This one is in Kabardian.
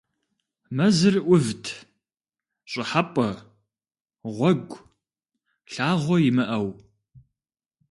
Мэзыр ӏувт, щӏыхьэпӏэ, гъуэгу, лъагъуэ имыӏэу.